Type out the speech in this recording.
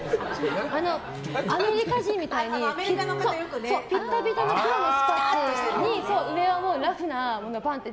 アメリカ人みたいにピタピタの黒のスパッツに上はラフなものをパンって。